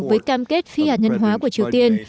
với cam kết phi hạt nhân hóa của triều tiên